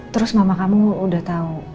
terus mama kamu udah tahu